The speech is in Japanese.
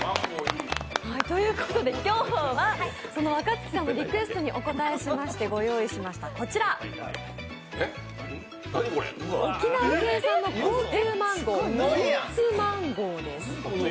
その若槻さんのリクエストにお応えしまして、ご用意しましたこちら、沖縄県産の高級マンゴー、キーツマンゴーです。